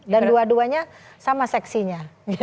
dan dua duanya sama seksinya